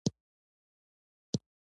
د هند په قلمرو به دعوه نه کوي.